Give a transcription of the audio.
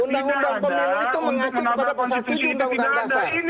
undang undang pemilu itu mengacu kepada pasal tujuh undang undang dasar